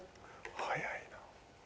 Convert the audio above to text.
早いな。